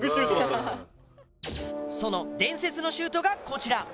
その伝説のシュートがこちら。